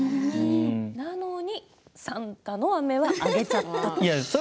なのにサンタのあめはあげちゃったと。